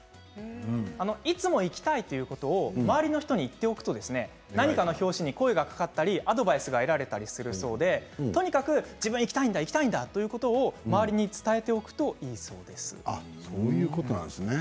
いつも行きたいということを周りの人に言っておくと何かの拍子に声がかかったりアドバイスが得られたりするそうでとにかく自分は行きたいんだということを周りに伝えておくといいそうです。